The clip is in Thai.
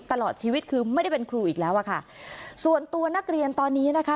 ตลอดชีวิตคือไม่ได้เป็นครูอีกแล้วอะค่ะส่วนตัวนักเรียนตอนนี้นะคะ